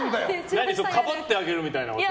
何それかばってあげるみたいなこと？